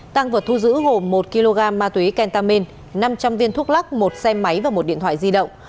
tăng vật thu giữ gồm một kg ma túy kentamine năm trăm linh viên thuốc lắc một xe máy và một điện thoại di động